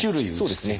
そうですね。